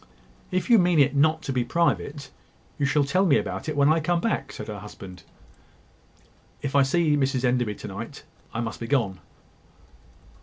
"If you mean it not to be private, you shall tell me about it when I come back," said her husband. "If I see Mrs Enderby to night, I must be gone."